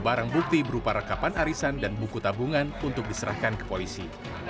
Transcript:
barang bukti berupa rekapan arisan dan buku tabungan untuk diserahkan ke polisi